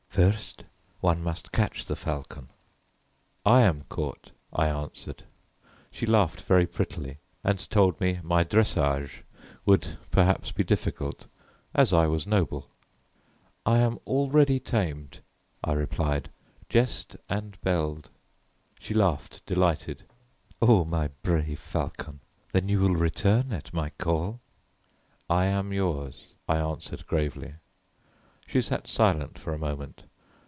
"First one must catch the falcon." "I am caught," I answered. She laughed very prettily and told me my dressage would perhaps be difficult, as I was noble. "I am already tamed," I replied; "jessed and belled." She laughed, delighted. "Oh, my brave falcon; then you will return at my call?" "I am yours," I answered gravely. She sat silent for a moment.